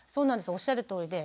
おっしゃるとおりで。